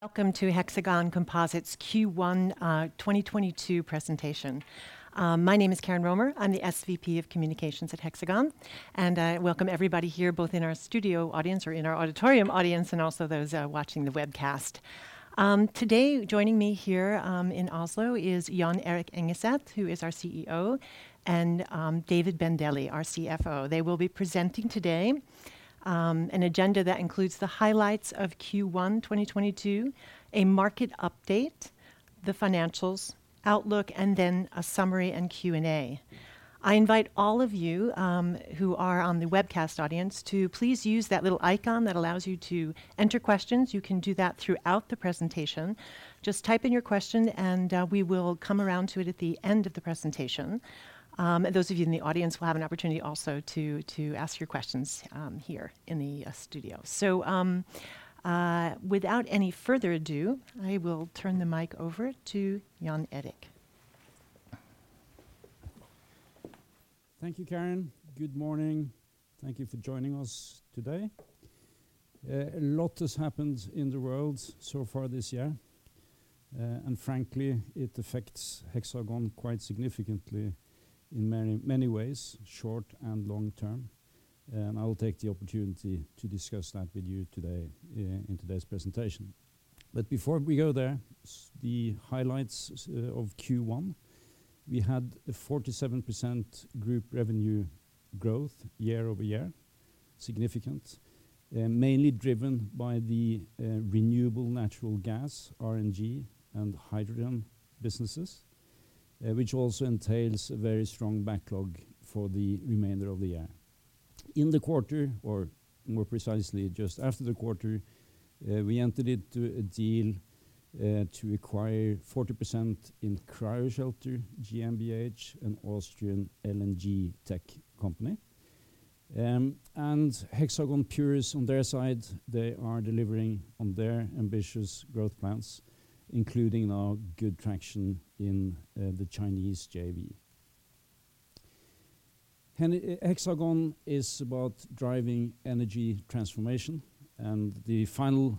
Welcome to Hexagon Composites Q1 2022 presentation. My name is Karen Romer. I'm the SVP of Communications at Hexagon, and welcome everybody here, both in our studio audience or in our auditorium audience, and also those watching the webcast. Today, joining me here in Oslo is Jon Erik Engeset, who is our CEO, and David Bandele, our CFO. They will be presenting today an agenda that includes the highlights of Q1 2022, a market update, the financials outlook, and then a summary, and Q&A. I invite all of you who are on the webcast audience to please use that little icon that allows you to enter questions. You can do that throughout the presentation. Just type in your question and we will come around to it at the end of the presentation. Those of you in the audience will have an opportunity also to ask your questions here in the studio. Without any further ado, I will turn the mic over to Jon Erik. Thank you, Karen. Good morning. Thank you for joining us today. A lot has happened in the world so far this year, and frankly, it affects Hexagon quite significantly in many ways, short and long-term, and I will take the opportunity to discuss that with you today in today's presentation. Before we go there, the highlights of Q1, we had a 47% group revenue growth year-over-year, significant, mainly driven by the renewable natural gas, RNG, and hydrogen businesses, which also entails a very strong backlog for the remainder of the year. In the quarter, or more precisely, just after the quarter, we entered into a deal to acquire 40% in Cryoshelter GmbH, an Austrian LNG tech company. Hexagon Purus on their side, they are delivering on their ambitious growth plans, including now good traction in the Chinese JV. Hexagon is about driving energy transformation, and the final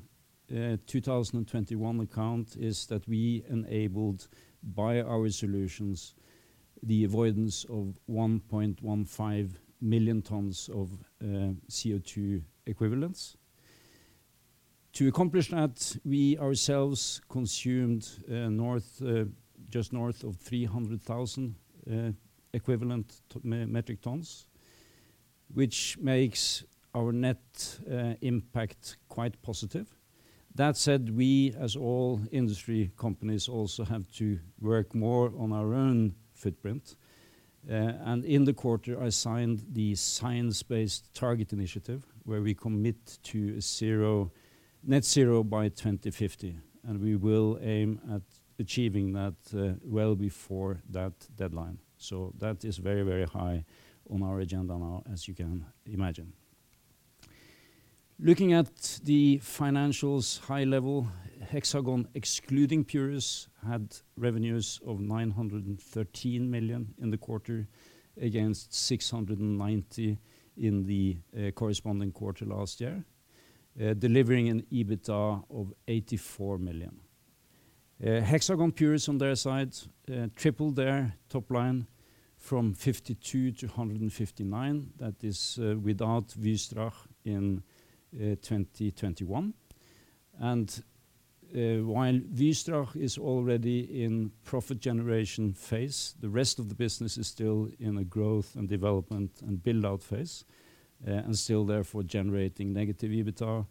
2021 account is that we enabled, by our solutions, the avoidance of 1.15 million tons of CO2 equivalents. To accomplish that, we ourselves consumed just north of 300,000 metric tons, which makes our net impact quite positive. That said, we, as all industry companies, also have to work more on our own footprint. In the quarter, I signed the Science Based Targets initiative, where we commit to net zero by 2050, and we will aim at achieving that well before that deadline. That is very, very high on our agenda now, as you can imagine. Looking at the financials, high level, Hexagon, excluding Purus, had revenues of 913 million in the quarter against 690 million in the corresponding quarter last year, delivering an EBITDA of 84 million. Hexagon Purus on their side tripled their top line from 52 million-159 million. That is without Wystrach in 2021. While Wystrach is already in profit generation phase, the rest of the business is still in a growth and development and build-out phase, and still therefore generating negative EBITDA,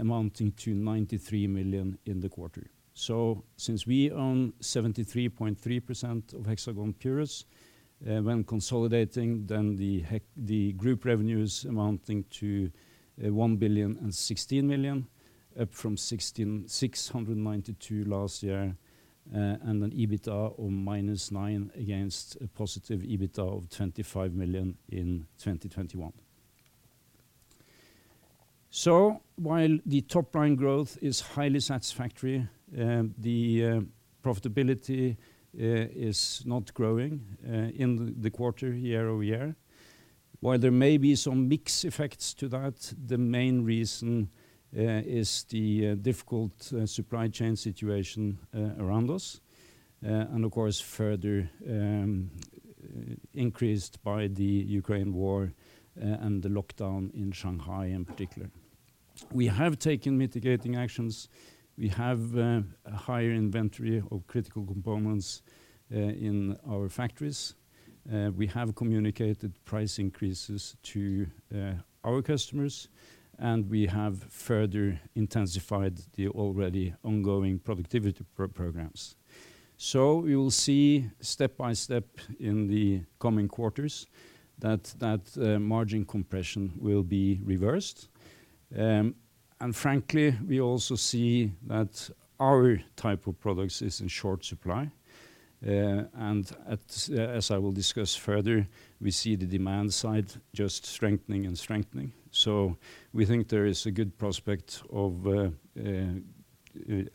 amounting to 93 million in the quarter. Since we own 73.3% of Hexagon Purus, when consolidating, then the group revenues amounting to 1,016 million, up from 692 last year, and an EBITDA of -9 against a positive EBITDA of 25 million in 2021. While the top line growth is highly satisfactory, the profitability is not growing in the quarter year-over-year. While there may be some mix effects to that, the main reason is the difficult supply chain situation around us, and of course, further increased by the Ukraine war and the lockdown in Shanghai in particular. We have taken mitigating actions. We have a higher inventory of critical components in our factories. We have communicated price increases to our customers, and we have further intensified the already ongoing productivity programs. We will see step-by-step in the coming quarters that margin compression will be reversed. Frankly, we also see that our type of products is in short supply. As I will discuss further, we see the demand side just strengthening and strengthening. We think there is a good prospect of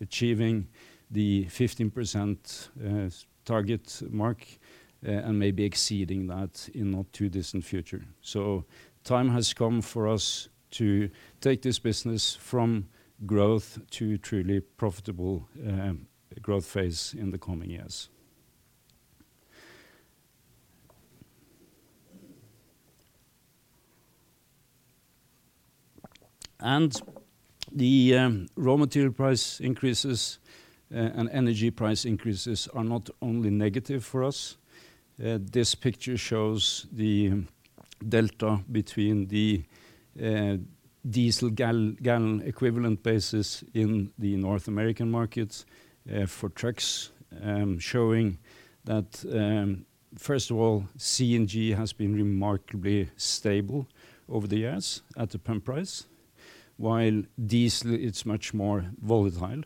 achieving the 15% target mark, and maybe exceeding that in not too distant future. Time has come for us to take this business from growth to truly profitable growth phase in the coming years. The raw material price increases and energy price increases are not only negative for us. This picture shows the delta between the diesel gallon equivalent basis in the North American markets for trucks, showing that first of all, CNG has been remarkably stable over the years at the pump price, while diesel, it's much more volatile.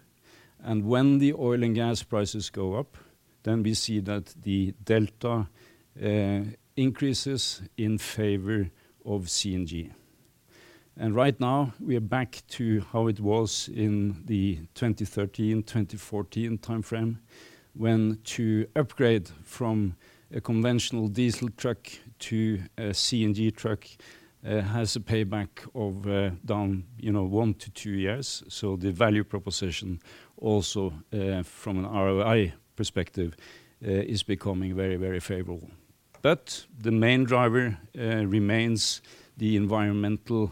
When the oil and gas prices go up, then we see that the delta increases in favor of CNG. Right now, we are back to how it was in the 2013, 2014 timeframe, when to upgrade from a conventional diesel truck to a CNG truck has a payback of down, you know, 1-2 years. The value proposition also from an ROI perspective is becoming very, very favorable. The main driver remains the environmental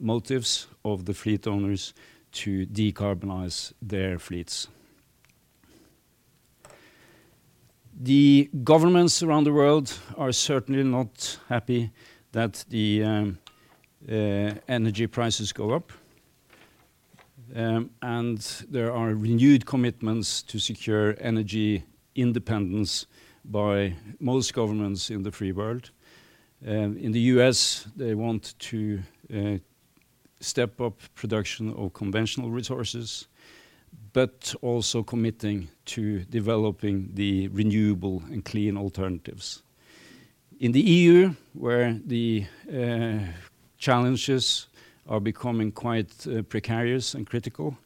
motives of the fleet owners to decarbonize their fleets. The governments around the world are certainly not happy that the energy prices go up. There are renewed commitments to secure energy independence by most governments in the free world. In the U.S., they want to step up production of conventional resources, but also committing to developing the renewable and clean alternatives. In the EU, where the challenges are becoming quite precarious and critical,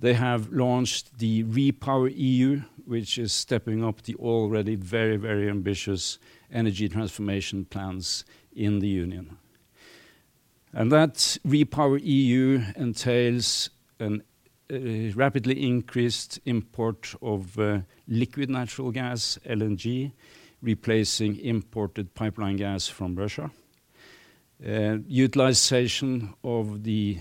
they have launched the REPowerEU, which is stepping up the already very, very ambitious energy transformation plans in the union. That REPowerEU entails a rapidly increased import of liquid natural gas, LNG, replacing imported pipeline gas from Russia. Utilization of the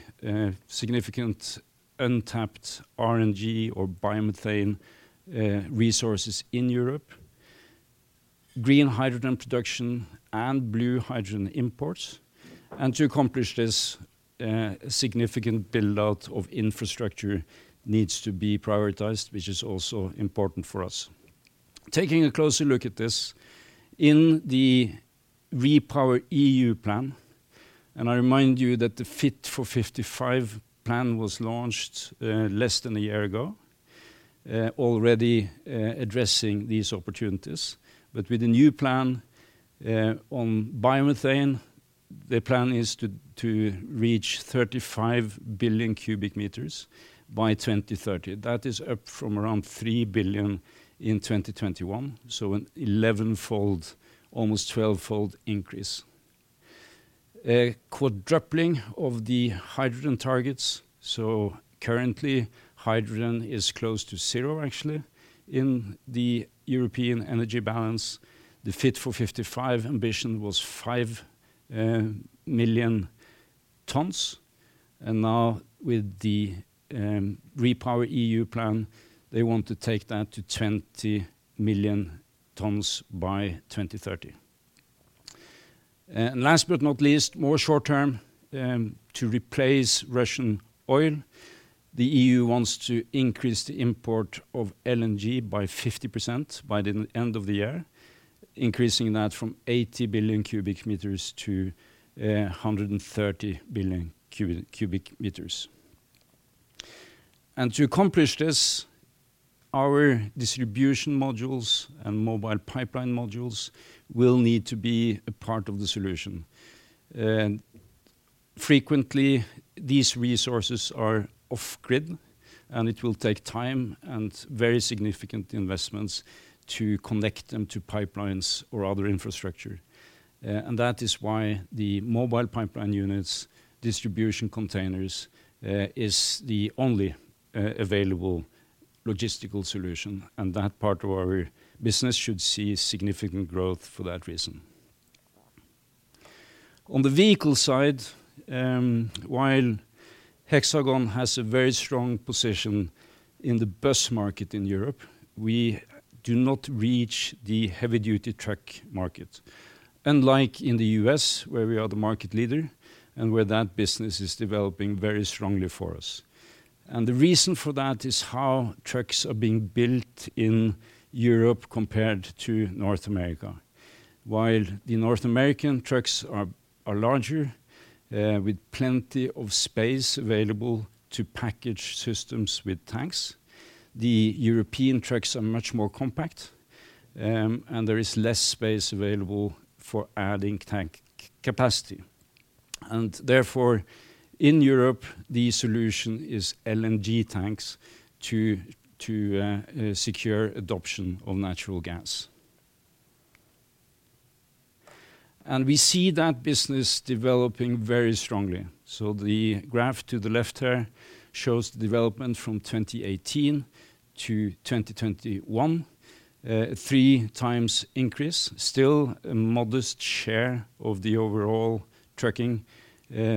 significant untapped RNG or biomethane resources in Europe, green hydrogen production and blue hydrogen imports. To accomplish this, significant build-out of infrastructure needs to be prioritized, which is also important for us. Taking a closer look at this, in the REPowerEU plan, I remind you that the Fit for 55 plan was launched less than a year ago already, addressing these opportunities. With the new plan on biomethane, the plan is to reach 35 billion cubic meters by 2030. That is up from around 3 billion in 2021, so an 11-fold, almost 12-fold increase. A quadrupling of the hydrogen targets, so currently hydrogen is close to zero actually. In the European energy balance, the Fit for 55 ambition was 5 million tons. Now with the REPowerEU plan, they want to take that to 20 million tons by 2030. Last but not least, more short term, to replace Russian oil, the EU wants to increase the import of LNG by 50% by the end of the year, increasing that from 80 billion cubic meters to 130 billion cubic meters. To accomplish this, our distribution modules and Mobile Pipeline modules will need to be a part of the solution. Frequently, these resources are off-grid, and it will take time, and very significant investments to connect them to pipelines or other infrastructure. That is why the Mobile Pipeline units, distribution containers, is the only available logistical solution, and that part of our business should see significant growth for that reason. On the vehicle side, while Hexagon has a very strong position in the bus market in Europe, we do not reach the heavy-duty truck market, unlike in the U.S., where we are the market leader and where that business is developing very strongly for us. The reason for that is how trucks are being built in Europe compared to North America. While the North American trucks are larger, with plenty of space available to package systems with tanks, the European trucks are much more compact, and there is less space available for adding tank capacity. Therefore, in Europe, the solution is LNG tanks to secure adoption of natural gas. We see that business developing very strongly. The graph to the left here shows the development from 2018 to 2021. Three times increase. Still a modest share of the overall trucking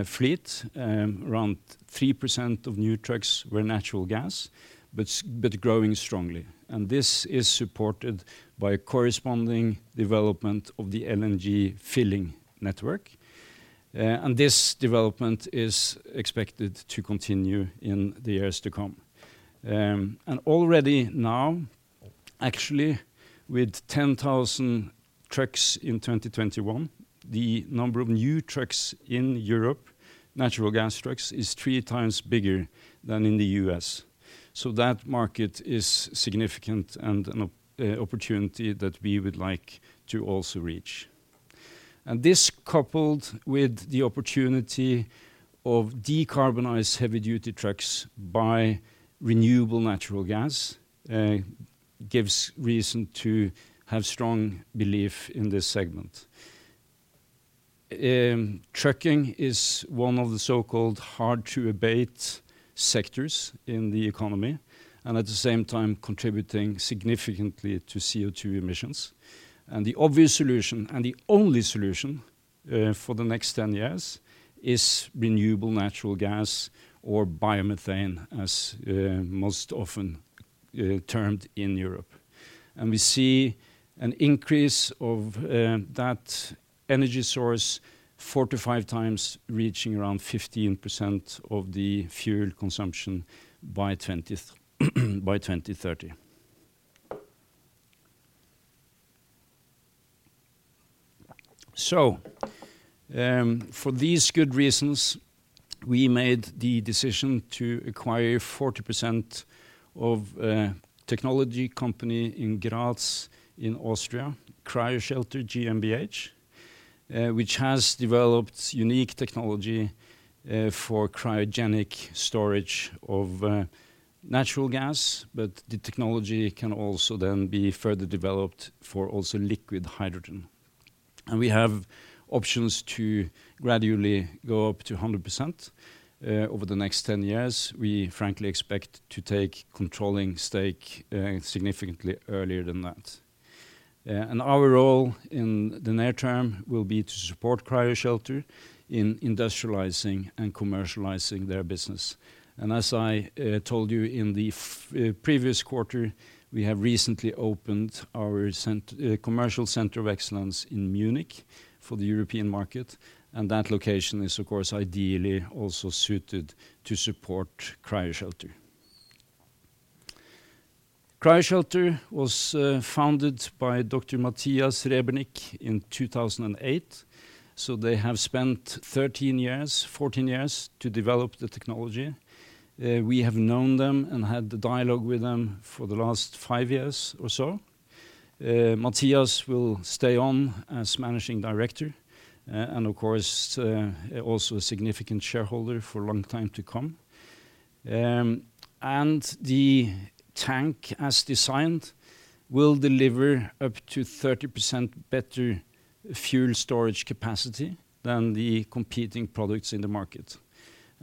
fleet. Around 3% of new trucks were natural gas, but growing strongly. This is supported by a corresponding development of the LNG filling network. This development is expected to continue in the years to come. Already now, actually, with 10,000 trucks in 2021, the number of new trucks in Europe, natural gas trucks, is 3x bigger than in the U.S. That market is significant and an opportunity that we would like to also reach. This coupled with the opportunity of decarbonized heavy-duty trucks by renewable natural gas gives reason to have strong belief in this segment. Trucking is one of the so-called hard-to-abate sectors in the economy, and at the same time contributing significantly to CO2 emissions. The obvious solution, and the only solution, for the next 10 years is renewable natural gas or biomethane, as most often termed in Europe. We see an increase of that energy source 4x-5x, reaching around 15% of the fuel consumption by 2030. For these good reasons, we made the decision to acquire 40% of a technology company in Graz in Austria, Cryoshelter GmbH, which has developed unique technology for cryogenic storage of natural gas, but the technology can also then be further developed for also liquid hydrogen. We have options to gradually go up to 100% over the next 10 years. We frankly expect to take controlling stake significantly earlier than that. Our role in the near term will be to support Cryoshelter in industrializing and commercializing their business. As I told you in the previous quarter, we have recently opened our commercial center of excellence in Munich for the European market, and that location is, of course, ideally also suited to support Cryoshelter. Cryoshelter was founded by Dr. Matthias Rebernik in 2008, they have spent 13 years, 14 years to develop the technology. We have known them and had the dialogue with them for the last five years or so. Matthias will stay on as managing director, and of course, also a significant shareholder for a long time to come. The tank, as designed, will deliver up to 30% better fuel storage capacity than the competing products in the market.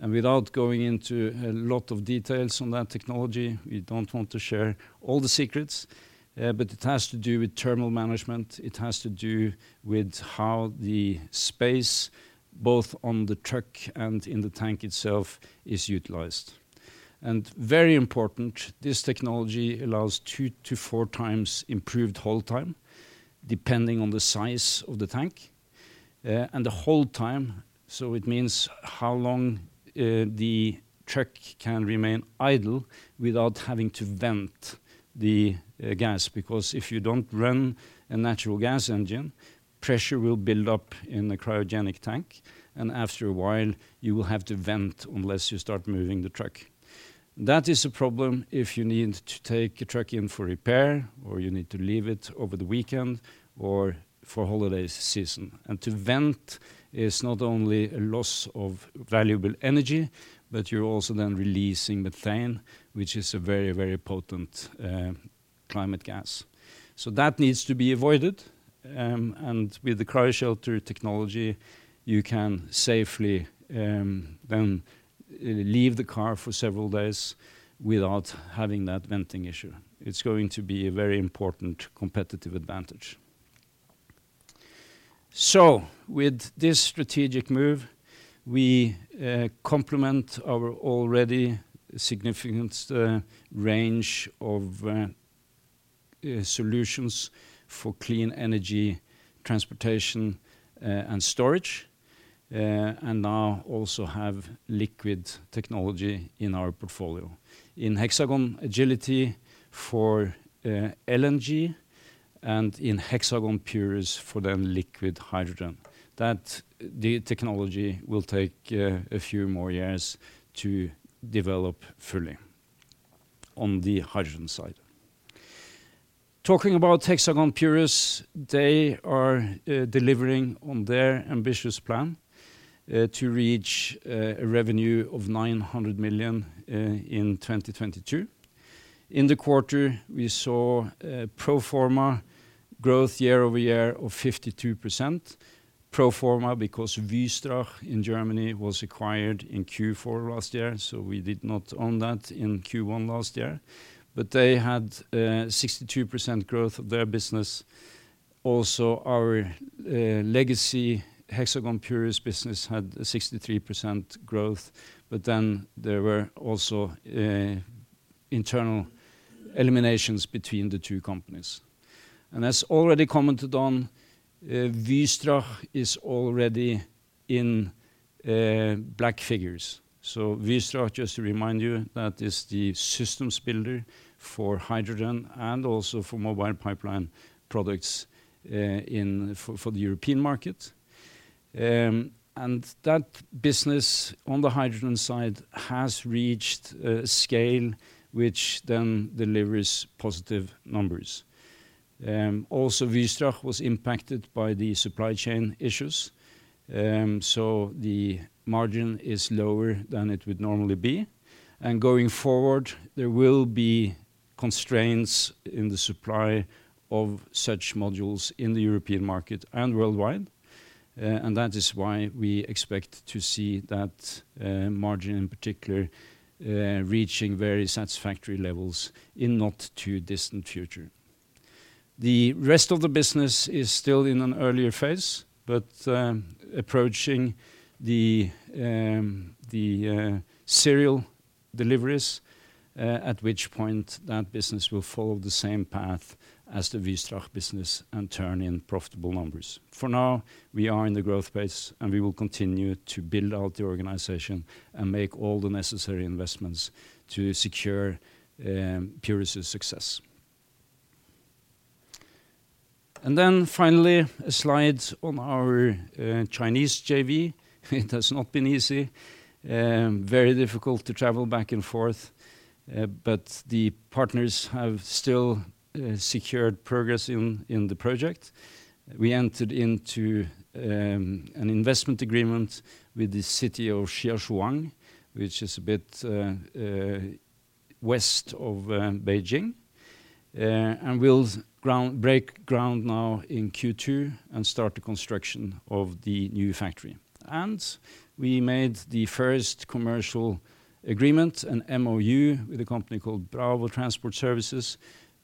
Without going into a lot of details on that technology, we don't want to share all the secrets, but it has to do with thermal management. It has to do with how the space, both on the truck and in the tank itself, is utilized. Very important, this technology allows 2x-4x improved hold time, depending on the size of the tank. The hold time, so it means how long the truck can remain idle without having to vent the gas. Because if you don't run a natural gas engine, pressure will build up in the cryogenic tank, and after a while, you will have to vent unless you start moving the truck. That is a problem if you need to take a truck in for repair, or you need to leave it over the weekend, or for holiday season. To vent is not only a loss of valuable energy, but you're also then releasing methane, which is a very, very potent climate gas. That needs to be avoided, and with the Cryoshelter technology, you can safely then leave the car for several days without having that venting issue. It's going to be a very important competitive advantage. With this strategic move, we complement our already significant range of solutions for clean energy transportation and storage, and now also have liquid technology in our portfolio. In Hexagon Agility for LNG, and in Hexagon Purus for the liquid hydrogen. The technology will take a few more years to develop fully on the hydrogen side. Talking about Hexagon Purus, they are delivering on their ambitious plan to reach a revenue of 900 million in 2022. In the quarter, we saw pro forma growth year-over-year of 52%. Pro forma because Wystrach in Germany was acquired in Q4 last year, so we did not own that in Q1 last year. They had 62% growth of their business. Also, our legacy Hexagon Purus business had 63% growth, but then there were also internal eliminations between the two companies. As already commented on, Wystrach is already in black figures. Wystrach, just to remind you, that is the systems builder for hydrogen and also for Mobile Pipeline products for the European market. That business on the hydrogen side has reached a scale which then delivers positive numbers. Also Wystrach was impacted by the supply chain issues, so the margin is lower than it would normally be. Going forward, there will be constraints in the supply of such modules in the European market and worldwide. That is why we expect to see that margin in particular reaching very satisfactory levels in not too distant future. The rest of the business is still in an earlier phase, but approaching the serial deliveries, at which point that business will follow the same path as the Wystrach business and turn in profitable numbers. For now, we are in the growth phase, and we will continue to build out the organization and make all the necessary investments to secure Purus' success. Finally, a slide on our Chinese JV. It has not been easy, very difficult to travel back and forth, but the partners have still secured progress in the project. We entered into an investment agreement with the city of Xuzhou, which is a bit west of Beijing. We'll ground break, ground now in Q2 and start the construction of the new factory. We made the first commercial agreement, an MoU, with a company called Bravo Transport Services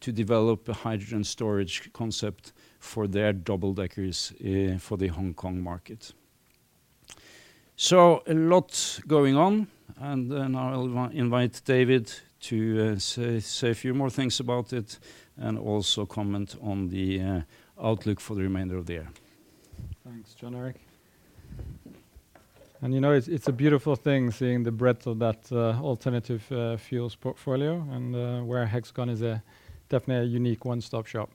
to develop a hydrogen storage concept for their double-deckers for the Hong Kong market. A lot going on. I'll invite David to say a few more things about it and also comment on the outlook for the remainder of the year. Thanks, Jon Erik. You know, it's a beautiful thing seeing the breadth of that alternative fuels portfolio, and where Hexagon is definitely a unique one-stop shop.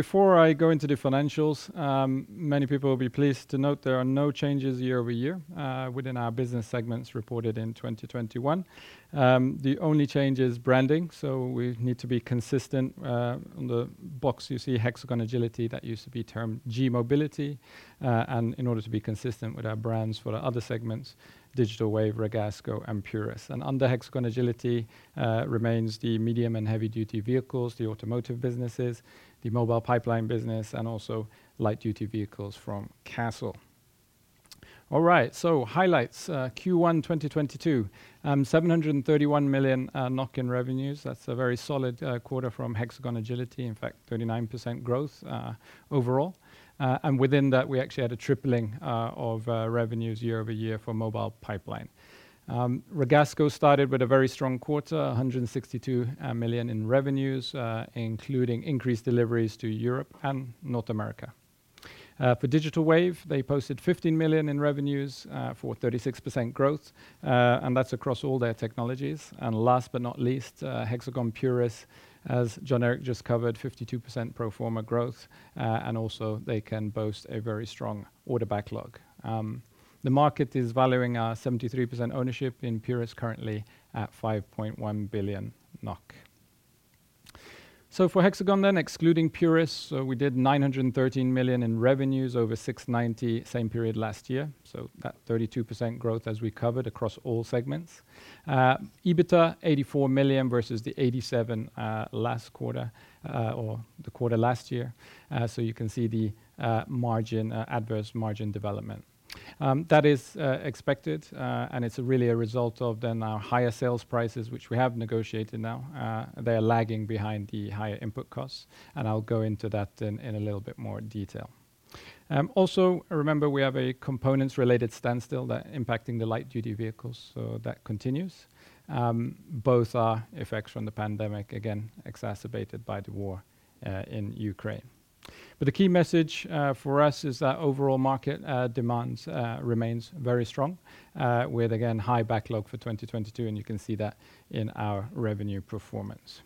Before I go into the financials, many people will be pleased to note there are no changes year-over-year within our business segments reported in 2021. The only change is branding, so we need to be consistent. On the box, you see Hexagon Agility, that used to be termed GMobility, and in order to be consistent with our brands for the other segments, Digital Wave, Ragasco, and Purus. Under Hexagon Agility remains the medium and heavy-duty vehicles, the automotive businesses, the Mobile Pipeline business, and also light-duty vehicles from Kassel. All right. Highlights, Q1 2022, 731 million NOK in revenues. That's a very solid quarter from Hexagon Agility, in fact, 39% growth overall. Within that, we actually had a tripling of revenues year-over-year for Mobile Pipeline. Ragasco started with a very strong quarter, 162 million in revenues, including increased deliveries to Europe and North America. For Hexagon Digital Wave, they posted 15 million in revenues for 36% growth, and that's across all their technologies. Last but not least, Hexagon Purus, as Jon Erik just covered, 52% pro forma growth, and also they can boast a very strong order backlog. The market is valuing our 73% ownership in Purus currently at 5.1 billion NOK. For Hexagon then, excluding Purus, we did 913 million in revenues over 690 million same period last year. That 32% growth as we covered across all segments. EBITDA 84 million versus the 87 million last quarter or the quarter last year. You can see the adverse margin development. That is expected, and it's really a result of our higher sales prices, which we have negotiated now. They are lagging behind the higher input costs, and I'll go into that in a little bit more detail. Also remember we have a components-related standstill that impacting the light-duty vehicles, so that continues. Both are effects from the pandemic, again exacerbated by the war in Ukraine. The key message for us is that overall market demand remains very strong, with again, high backlog for 2022, and you can see that in our revenue performance.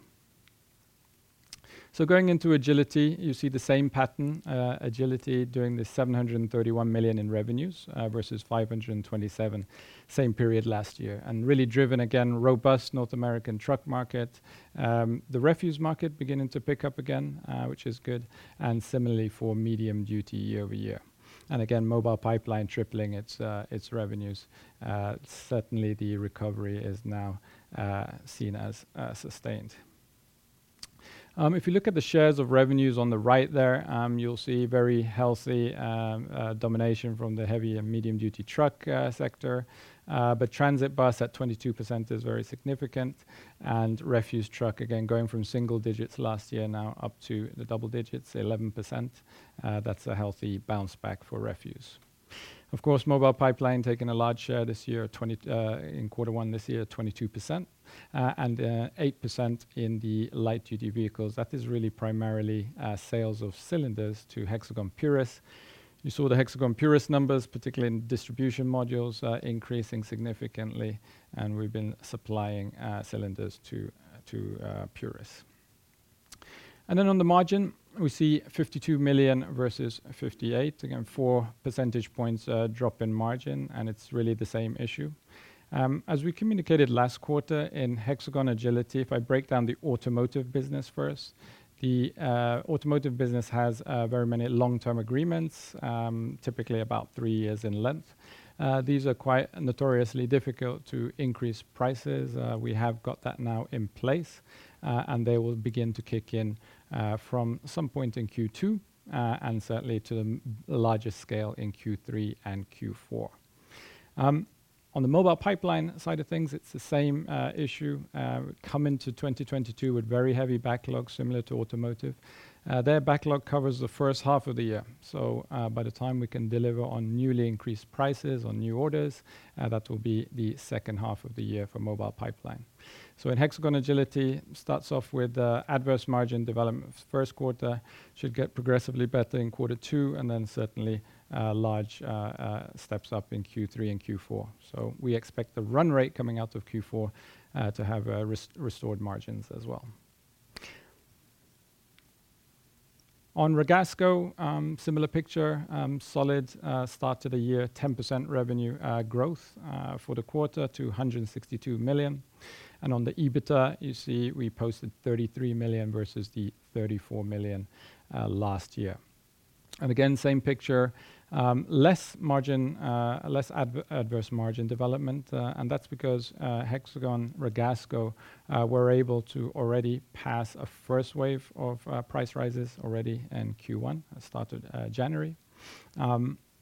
Going into Agility, you see the same pattern, Agility doing the 731 million in revenues, versus 527 same period last year. Really driven again, robust North American truck market, the refuse market beginning to pick up again, which is good, and similarly for medium-duty year-over-year. Again, Mobile Pipeline tripling its revenues. Certainly the recovery is now seen as sustained. If you look at the shares of revenues on the right there, you'll see very healthy domination from the heavy and medium-duty truck sector. Transit bus at 22% is very significant, and refuse truck again going from single digits last year now up to the double digits, 11%. That's a healthy bounce back for refuse. Of course, Mobile Pipeline taking a large share this year, in quarter one this year, 22%, and 8% in the light-duty vehicles. That is really primarily sales of cylinders to Hexagon Purus. You saw the Hexagon Purus numbers, particularly in distribution modules, increasing significantly, and we've been supplying cylinders to Purus. On the margin, we see 52 million versus 58 million. Again, four percentage points drop in margin, and it's really the same issue. As we communicated last quarter in Hexagon Agility, if I break down the automotive business first, the automotive business has very many long-term agreements, typically about three years in length. These are quite notoriously difficult to increase prices. We have got that now in place, and they will begin to kick in from some point in Q2, and certainly to the much larger scale in Q3 and Q4. On the Mobile Pipeline side of things, it's the same issue. Coming into 2022 with very heavy backlog similar to automotive. Their backlog covers the first half of the year. By the time we can deliver on newly increased prices on new orders, that will be the second half of the year for Mobile Pipeline. In Hexagon Agility, starts off with adverse margin development first quarter. Should get progressively better in quarter two, and then certainly large steps up in Q3 and Q4. We expect the run rate coming out of Q4 to have restored margins as well. On Ragasco, similar picture, solid start to the year, 10% revenue growth for the quarter to 162 million. On the EBITDA, you see we posted 33 million versus the 34 million last year. Again, same picture, less margin, less adverse margin development, and that's because Hexagon Ragasco were able to already pass a first wave of price rises already in Q1 that started January.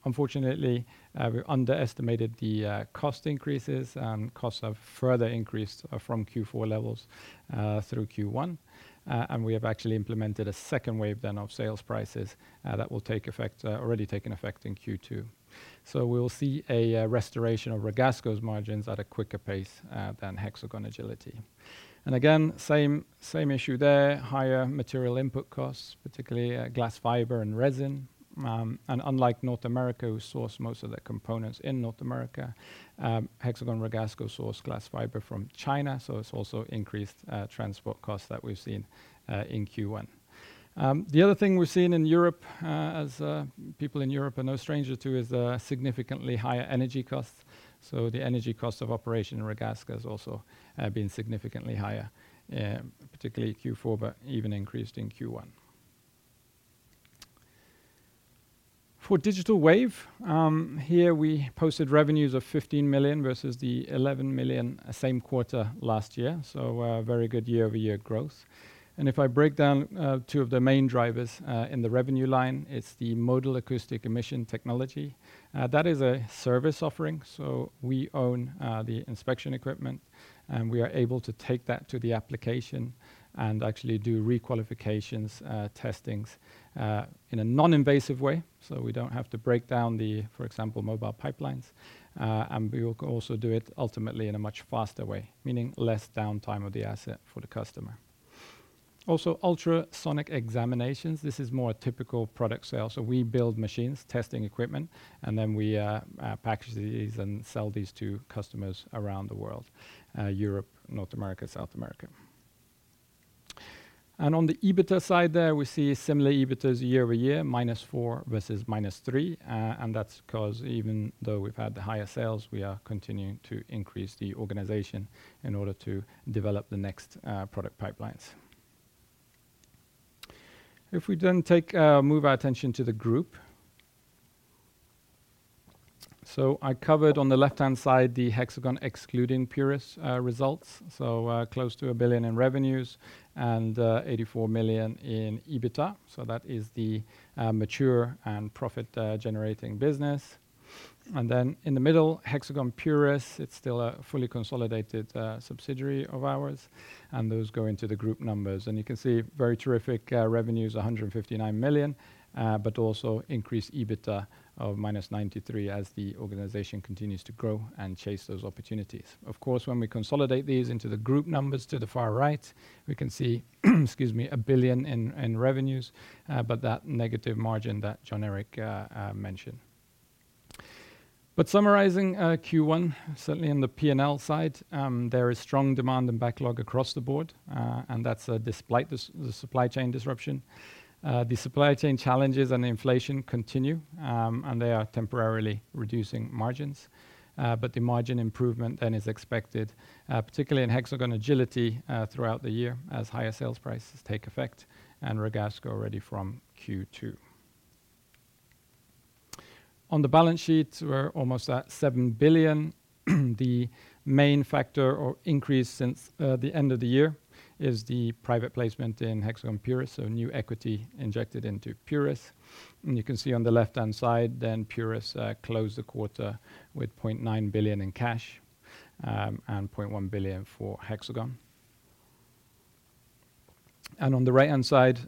Unfortunately, we underestimated the cost increases, and costs have further increased from Q4 levels through Q1. We have actually implemented a second wave of sales prices that already taken effect in Q2. We'll see a restoration of Ragasco's margins at a quicker pace than Hexagon Agility. Again, same issue there, higher material input costs, particularly glass fiber and resin. Unlike North America, who source most of their components in North America, Hexagon Ragasco source glass fiber from China, so it's also increased transport costs that we've seen in Q1. The other thing we've seen in Europe, as people in Europe are no stranger to, is significantly higher energy costs. The energy cost of operation in Ragasco has also been significantly higher, particularly Q4, but even increased in Q1. For Digital Wave, here we posted revenues of 15 million versus the 11 million same quarter last year. Very good year-over-year growth. If I break down two of the main drivers in the revenue line, it's the Modal Acoustic Emission technology. That is a service offering, so we own the inspection equipment, and we are able to take that to the application and actually do re-qualifications, testings, in a non-invasive way. We don't have to break down the, for example, mobile pipelines. We will also do it ultimately in a much faster way, meaning less downtime of the asset for the customer. Also, ultrasonic examinations. This is more a typical product sale. We build machines, testing equipment, and then we package these and sell these to customers around the world, Europe, North America, South America. On the EBITDA side there, we see similar EBITDAs year-over-year, -4% versus -3%. That's because even though we've had the higher sales, we are continuing to increase the organization in order to develop the next product pipelines. Move our attention to the group. I covered on the left-hand side the Hexagon excluding Purus results, close to 1 billion in revenues, and 84 million in EBITDA. That is the mature and profit generating business. In the middle, Hexagon Purus, it's still a fully consolidated subsidiary of ours, and those go into the group numbers. You can see very terrific revenues, 159 million, but also increased EBITDA of -93 million as the organization continues to grow and chase those opportunities. Of course, when we consolidate these into the group numbers to the far right, we can see, excuse me, 1 billion in revenues, but that negative margin that Jon Erik mentioned. Summarizing Q1, certainly on the P&L side, there is strong demand and backlog across the board, and that's despite the supply chain disruption. The supply chain challenges and inflation continue, and they are temporarily reducing margins. But the margin improvement then is expected, particularly in Hexagon Agility, throughout the year as higher sales prices take effect and Ragasco already from Q2. On the balance sheet, we're almost at 7 billion. The main factor of increase since the end of the year is the private placement in Hexagon Purus, so new equity injected into Purus. You can see on the left-hand side then Purus closed the quarter with 0.9 billion in cash, and 0.1 billion for Hexagon. On the right-hand side,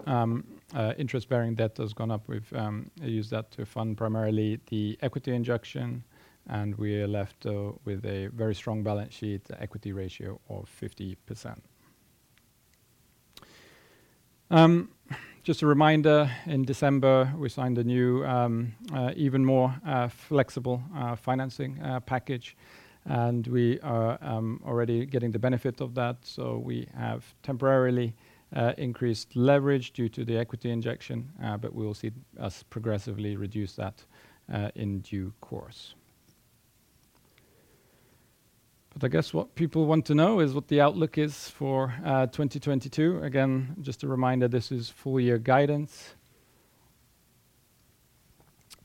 interest-bearing debt has gone up with. I use that to fund primarily the equity injection, and we are left with a very strong balance sheet equity ratio of 50%. Just a reminder, in December, we signed a new even more flexible financing package, and we are already getting the benefit of that. We have temporarily increased leverage due to the equity injection, but you will see us progressively reduce that in due course. I guess what people want to know is what the outlook is for 2022. Again, just a reminder, this is full-year guidance.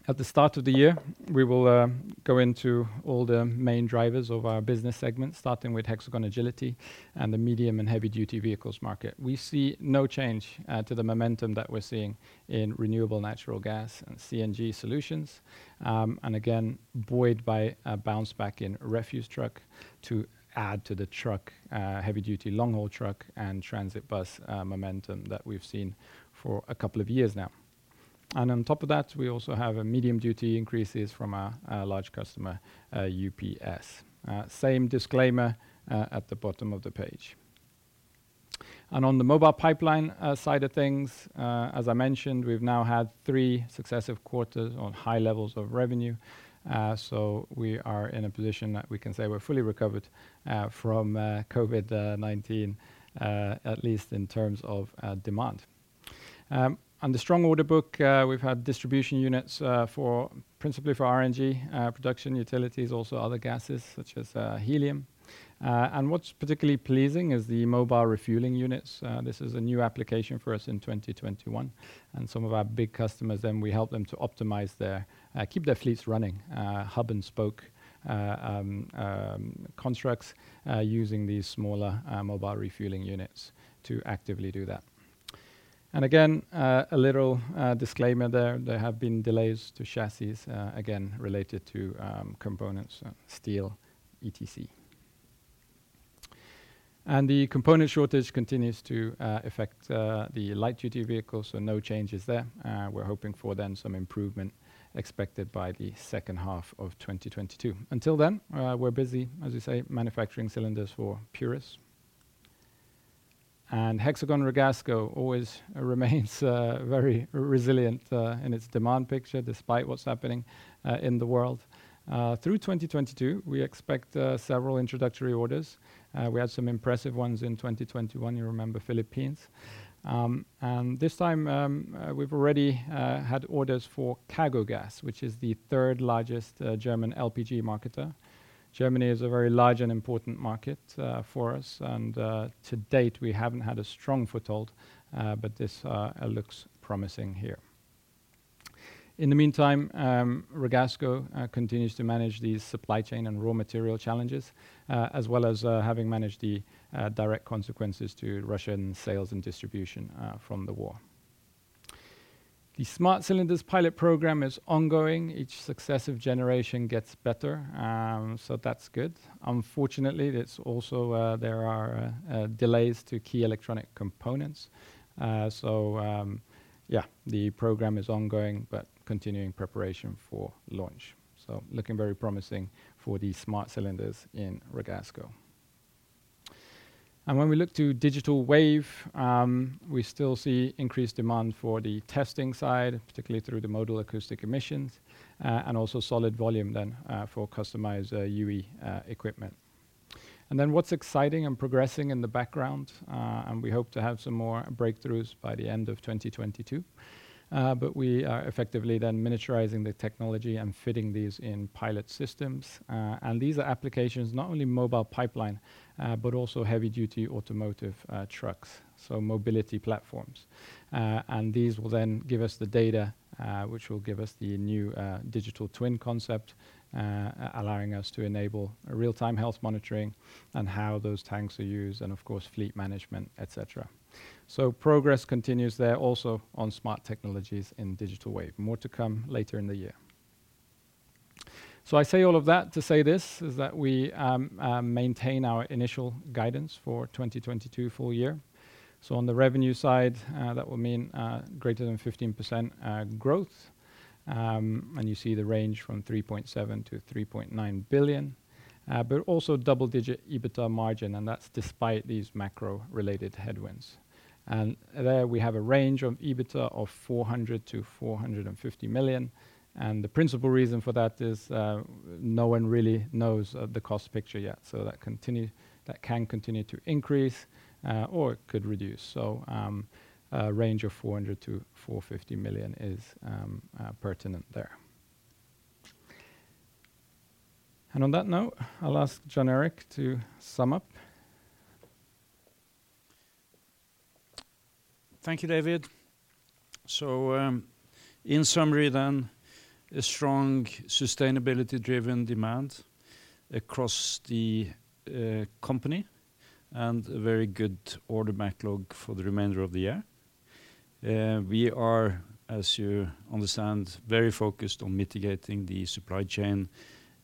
At the start of the year, we will go into all the main drivers of our business segments, starting with Hexagon Agility and the medium and heavy-duty vehicles market. We see no change to the momentum that we're seeing in renewable natural gas and CNG solutions, and again, buoyed by a bounce back in refuse truck to add to the truck heavy duty, long-haul truck and transit bus momentum that we've seen for a couple of years now. On top of that, we also have a medium duty increases from our large customer, UPS. Same disclaimer at the bottom of the page. On the Mobile Pipeline side of things, as I mentioned, we've now had three successive quarters on high levels of revenue, so we are in a position that we can say we're fully recovered from COVID-19, at least in terms of demand. On the strong order book, we've had distribution units for principally RNG, production utilities, also other gases such as helium. What's particularly pleasing is the mobile refueling units. This is a new application for us in 2021. Some of our big customers, then we help them to optimize their keep their fleets running, hub and spoke constructs, using these smaller mobile refueling units to actively do that. Again, a little disclaimer there. There have been delays to chassis again, related to components, steel, etc. The component shortage continues to affect the light duty vehicles, so no changes there. We're hoping for then some improvement expected by the second half of 2022. Until then, we're busy, as we say, manufacturing cylinders for Purus. Hexagon Ragasco always remains very resilient in its demand picture despite what's happening in the world. Through 2022, we expect several introductory orders. We had some impressive ones in 2021. You remember Philippines. This time, we've already had orders for CAGOGAS, which is the third-largest German LPG marketer. Germany is a very large and important market for us, and, to date, we haven't had a strong foothold, but this looks promising here. In the meantime, Ragasco continues to manage these supply chain and raw material challenges, as well as having managed the direct consequences to Russian sales and distribution from the war. The Smart Cylinders pilot program is ongoing. Each successive generation gets better, so that's good. Unfortunately, there are delays to key electronic components. Yeah, the program is ongoing but continuing preparation for launch. Looking very promising for these Smart Cylinders in Ragasco. When we look to Digital Wave, we still see increased demand for the testing side, particularly through the Modal Acoustic Emission, and also solid volume then for customized UE equipment. What's exciting and progressing in the background, and we hope to have some more breakthroughs by the end of 2022. We are effectively then miniaturizing the technology and fitting these in pilot systems. These are applications not only Mobile Pipeline, but also heavy-duty automotive, trucks, so mobility platforms. These will then give us the data, which will give us the new digital twin concept, allowing us to enable real-time health monitoring and how those tanks are used and of course, fleet management, et cetera. Progress continues there also on smart technologies in Digital Wave. More to come later in the year. I say all of that to say this, that we maintain our initial guidance for 2022 full-year. On the revenue side, that will mean greater than 15% growth. You see the range from 3.7 billion-3.9 billion. Also double-digit EBITDA margin, and that's despite these macro-related headwinds. There we have a range of EBITDA of 400 million-450 million, and the principal reason for that is, no one really knows the cost picture yet. That can continue to increase, or it could reduce. A range of 400 million-450 million is pertinent there. On that note, I'll ask Jon Erik to sum up. Thank you, David. In summary, a strong sustainability-driven demand across the company, and a very good order backlog for the remainder of the year. We are, as you understand, very focused on mitigating the supply chain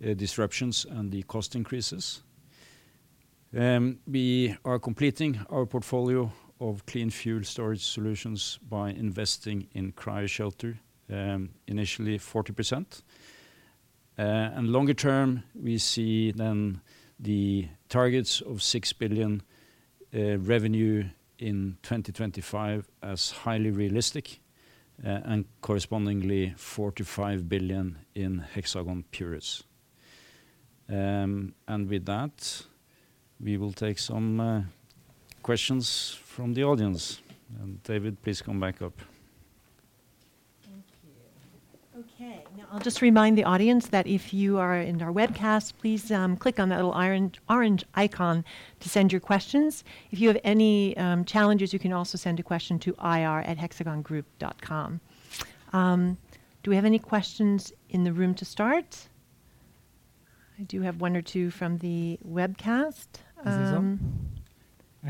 disruptions and the cost increases. We are completing our portfolio of clean fuel storage solutions by investing in Cryoshelter, initially 40%. Longer term, we see the targets of 6 billion revenue in 2025 as highly realistic, and correspondingly 4-5 billion in Hexagon Purus. With that, we will take some questions from the audience. David, please come back up. Thank you. Okay. Now I'll just remind the audience that if you are in our webcast, please, click on that little iron-orange icon to send your questions. If you have any challenges, you can also send a question to ir@hexagongroup.com. Do we have any questions in the room to start? I do have one or two from the webcast. Is this on?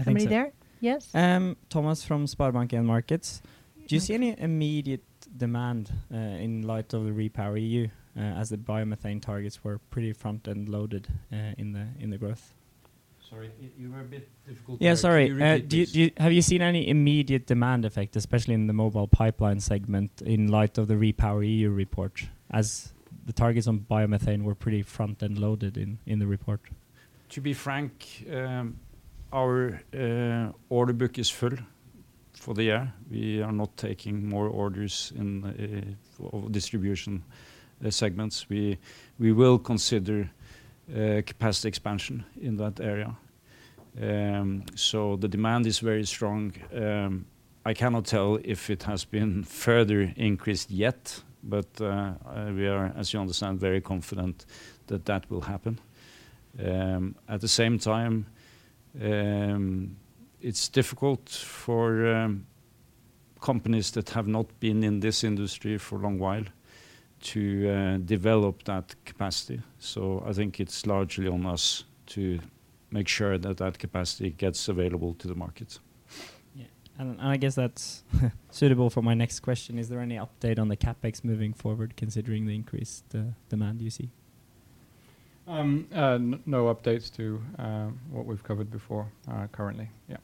Somebody there? I think so. Yes. Thomas from SpareBank 1 Markets. Do you see any immediate demand, in light of the REPowerEU, as the biomethane targets were pretty front-end loaded, in the growth? Sorry, you were a bit difficult to hear. Could you repeat, please? Yeah, sorry. Have you seen any immediate demand effect, especially in the Mobile Pipeline segment, in light of the REPowerEU report, as the targets on biomethane were pretty front-end loaded in the report? To be frank, our order book is full for the year. We are not taking more orders in our distribution segments. We will consider capacity expansion in that area. The demand is very strong. I cannot tell if it has been further increased yet, but we are, as you understand, very confident that that will happen. At the same time, it's difficult for companies that have not been in this industry for a long while to develop that capacity. I think it's largely on us to make sure that that capacity gets available to the market. Yeah. I guess that's suitable for my next question. Is there any update on the CapEx moving forward, considering the increased demand you see? No updates to what we've covered before, currently. Yeah.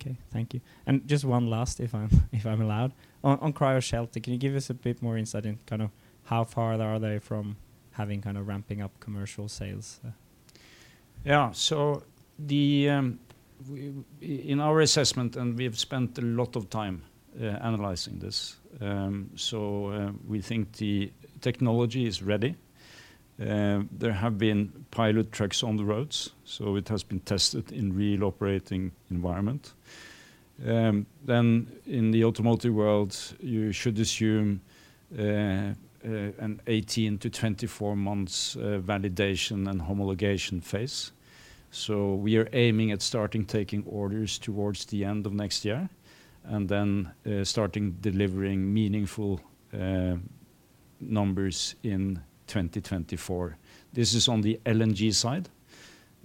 Okay. Thank you. Just one last, if I'm allowed. On Cryoshelter, can you give us a bit more insight in kind of how far are they from having kind of ramping up commercial sales? Yeah. In our assessment, we have spent a lot of time analyzing this, we think the technology is ready. There have been pilot trucks on the roads, it has been tested in real operating environment. In the automotive world, you should assume an 18-24 months validation and homologation phase. We are aiming at starting taking orders towards the end of next year, and starting delivering meaningful numbers in 2024. This is on the LNG side.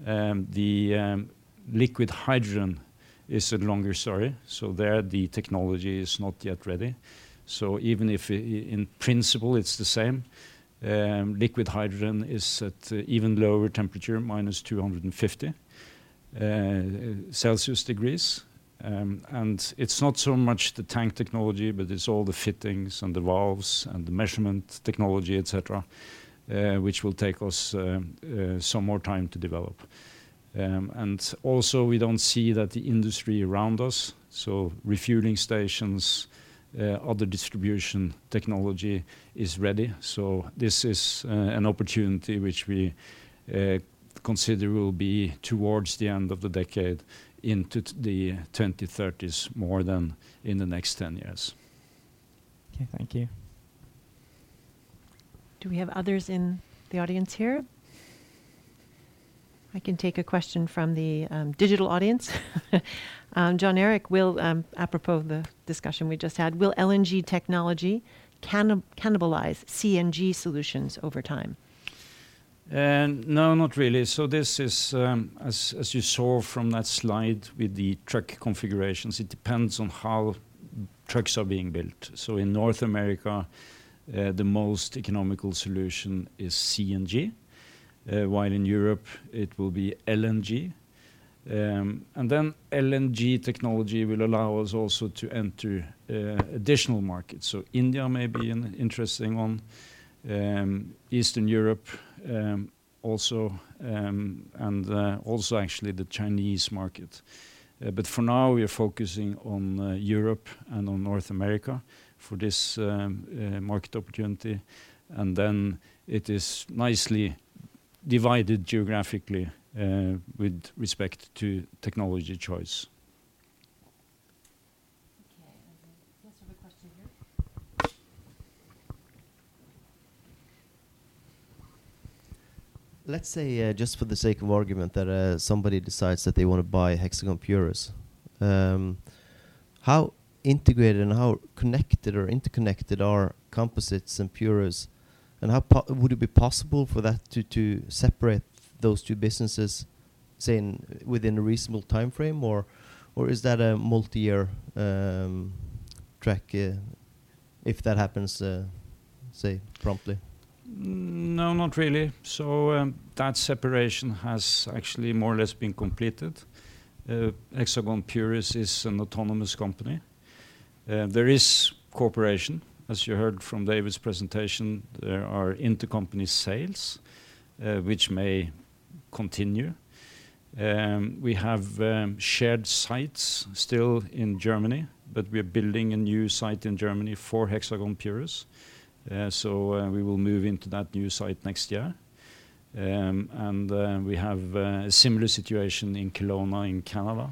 The liquid hydrogen is a longer story, the technology is not yet ready. Even if in principle it's the same, liquid hydrogen is at even lower temperature, -250 degrees Celsius. It's not so much the tank technology, but it's all the fittings and the valves and the measurement technology, et cetera, which will take us some more time to develop. Also, we don't see that the industry around us, so refueling stations, other distribution technology is ready. This is an opportunity which we consider will be towards the end of the decade into the 2030s more than in the next ten years. Okay. Thank you. Do we have others in the audience here? I can take a question from the digital audience. Jon Erik, apropos of the discussion we just had, will LNG technology cannibalize CNG solutions over time? No, not really. This is, as you saw from that slide with the truck configurations, it depends on how trucks are being built. In North America, the most economical solution is CNG, while in Europe it will be LNG. LNG technology will allow us also to enter additional markets. India may be an interesting one, Eastern Europe, also, and also actually the Chinese market. But for now we are focusing on Europe and on North America for this market opportunity. It is nicely divided geographically, with respect to technology choice. Okay. We have a question here. Let's say just for the sake of argument that somebody decides that they wanna buy Hexagon Purus. How integrated and how connected or interconnected are Composites and Purus, and how would it be possible for that to separate those two businesses, say, within a reasonable timeframe, or is that a multi-year track if that happens say promptly? No, not really. That separation has actually more or less been completed. Hexagon Purus is an autonomous company. There is cooperation. As you heard from David's presentation, there are intercompany sales, which may continue. We have shared sites still in Germany, but we're building a new site in Germany for Hexagon Purus. We will move into that new site next year. We have a similar situation in Kelowna in Canada,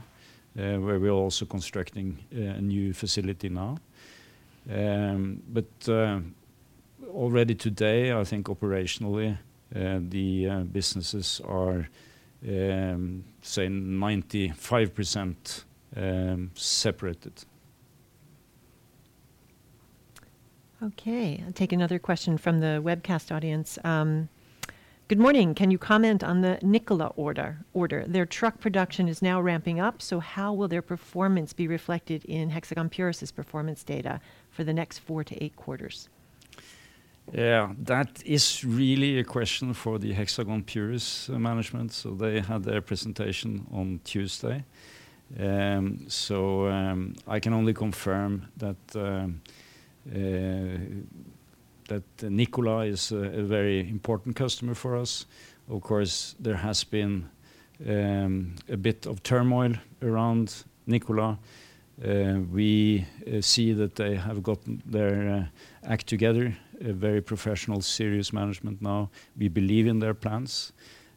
where we're also constructing a new facility now. Already today, I think operationally, the businesses are say 95% separated. Okay. I'll take another question from the webcast audience. Good morning. Can you comment on the Nikola order? Their truck production is now ramping up, so how will their performance be reflected in Hexagon Purus' performance data for the next 4-8 quarters? Yeah. That is really a question for the Hexagon Purus management, so they have their presentation on Tuesday. I can only confirm that Nikola is a very important customer for us. Of course, there has been a bit of turmoil around Nikola. We see that they have gotten their act together, a very professional, serious management now. We believe in their plans,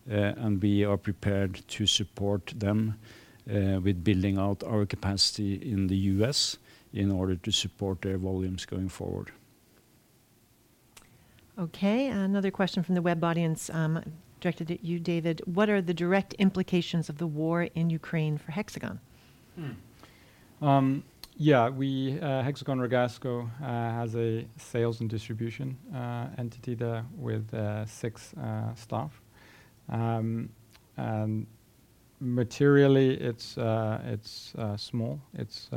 and we are prepared to support them with building out our capacity in the U.S. in order to support their volumes going forward. Okay. Another question from the web audience, directed at you, David. What are the direct implications of the war in Ukraine for Hexagon? We, Hexagon Ragasco, has a sales and distribution entity there with six staff. Materially, it's small. Its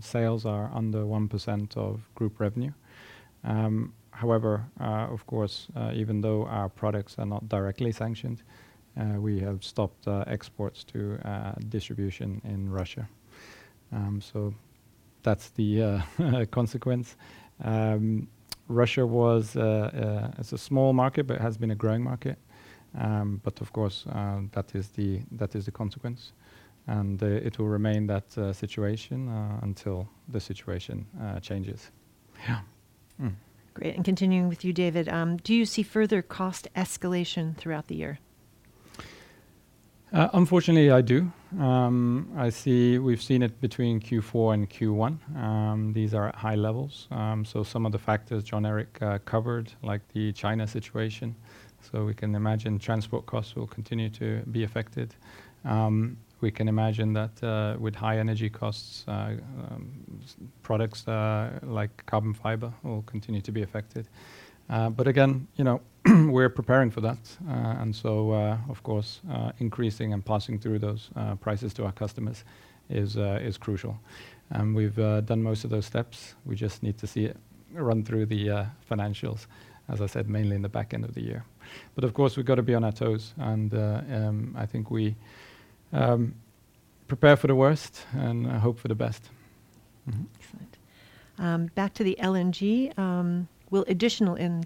sales are under 1% of group revenue. However, of course, even though our products are not directly sanctioned, we have stopped exports to distribution in Russia. So that's the consequence. Russia was, it's a small market, but it has been a growing market. Of course, that is the consequence, and it will remain that situation until the situation changes. Yeah. Mm-hmm. Great. Continuing with you, David, do you see further cost escalation throughout the year? Unfortunately, I do. We've seen it between Q4 and Q1. These are at high levels. Some of the factors Jon Erik covered, like the China situation. We can imagine transport costs will continue to be affected. We can imagine that with high energy costs, products like carbon fiber will continue to be affected. But again, you know, we're preparing for that, and so of course increasing and passing through those prices to our customers is crucial. We've done most of those steps. We just need to see it run through the financials, as I said, mainly in the back end of the year. Of course, we've got to be on our toes, and I think we prepare for the worst and hope for the best. Excellent. Back to the LNG,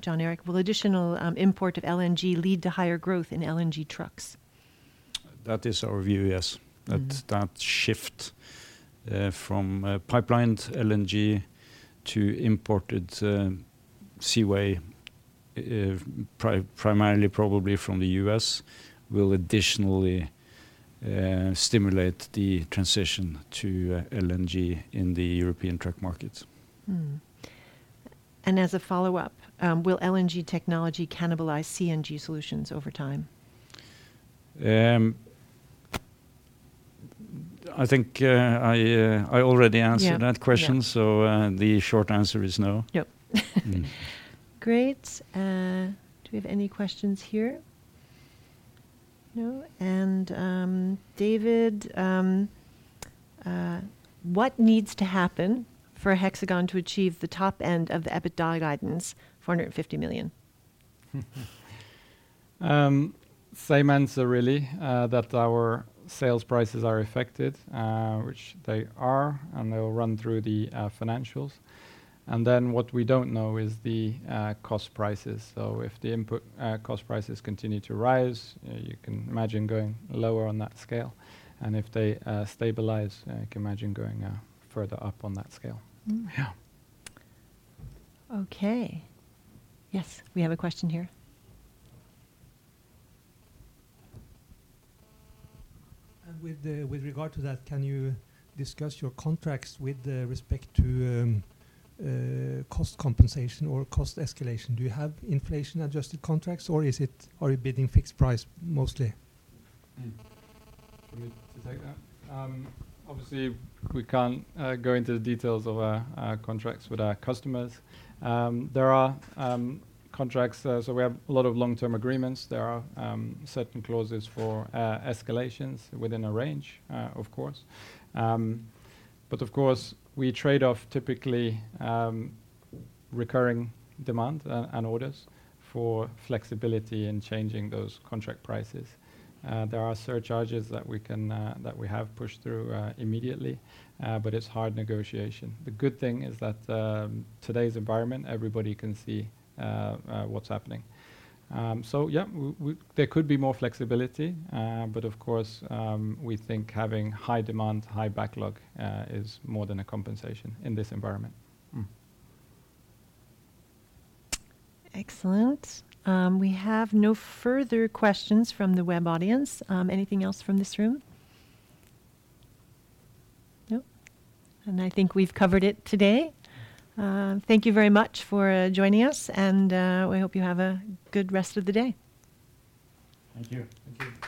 Jon Erik, will additional import of LNG lead to higher growth in LNG trucks? That is our view, yes. Mm-hmm. That shift from pipelined LNG to imported seaway primarily probably from the U.S. will additionally stimulate the transition to LNG in the European truck markets. Mm-hmm. As a follow-up, will LNG technology cannibalize CNG solutions over time? I think I already answered. Yeah that question. Yeah. The short answer is no. Yep. Great. Do we have any questions here? No. David, what needs to happen for Hexagon to achieve the top end of the EBITDA guidance, 450 million? Same answer really, that our sales prices are affected, which they are, and they'll run through the financials. What we don't know is the cost prices. If the input cost prices continue to rise, you can imagine going lower on that scale. If they stabilize, you can imagine going further up on that scale. Mm-hmm. Yeah. Okay. Yes, we have a question here. With regard to that, can you discuss your contracts with respect to cost compensation or cost escalation? Do you have inflation-adjusted contracts, or is it, are you bidding fixed price mostly? You want me to take that? Obviously, we can't go into the details of our contracts with our customers. There are contracts, so we have a lot of long-term agreements. There are certain clauses for escalations within a range, of course. Of course, we trade off typically recurring demand and orders for flexibility in changing those contract prices. There are surcharges that we have pushed through immediately, but it's hard negotiation. The good thing is that today's environment, everybody can see what's happening. Yeah, there could be more flexibility, but of course, we think having high demand, high backlog is more than a compensation in this environment. Mm-hmm. Excellent. We have no further questions from the web audience. Anything else from this room? Nope. I think we've covered it today. Thank you very much for joining us, and we hope you have a good rest of the day. Thank you. Thank you.